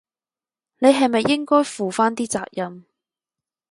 你係咪應該負返啲責任？